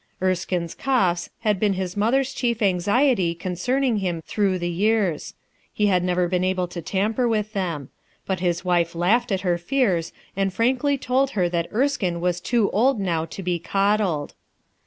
Erskine'a coughs had been his mother's chief anxiety concerning him through the years; he had never been able to tamper with them; but his wife laughed at her fears and frankly told her that Erskine was too old now to be coddled.